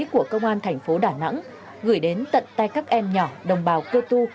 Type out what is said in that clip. của công an thành phố đà nẵng gửi đến tận tay các em nhỏ đồng bào cơ tu